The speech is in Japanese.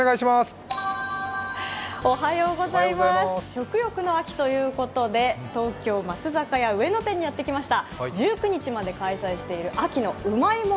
食欲の秋ということで東京・松坂屋上野店にやってきました。